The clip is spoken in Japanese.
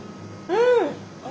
うん！